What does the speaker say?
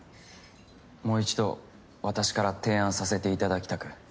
もう１度私から提案させていただきたく。